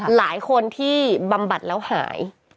หลายคนที่บำบัดแล้วหาย